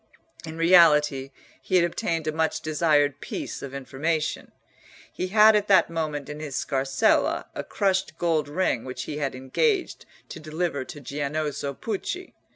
In reality he had obtained a much desired piece of information. He had at that moment in his scarsella a crushed gold ring which he had engaged to deliver to Giannozzo Pucci.